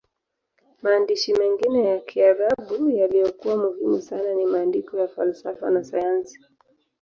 Maandishi mengine ya Kiarabu yaliyokuwa muhimu sana ni maandiko ya falsafa na sayansi.